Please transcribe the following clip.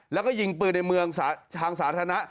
แล้วก็ยิงปืนในเมืองทางสาธารณะ